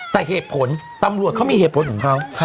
แต่เหตุผลตำรวจเขามีเหตุผลของเขา